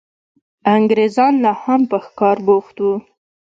انګرېزان لا هم په ښکار بوخت وو.